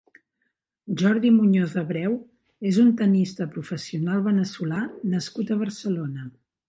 Jordi Muñoz Abreu és un tennista professional veneçolà nascut a Barcelona.